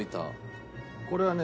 これはね